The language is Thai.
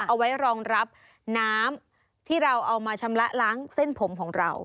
เอาไว้รองรับน้ำที่เราเอามาชำระล้างเส้นผมของเรา